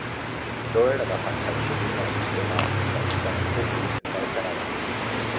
Doer ha defensat sovint el sistema sanitari públic del Canadà.